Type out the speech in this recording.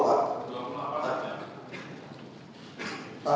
dua pulau apa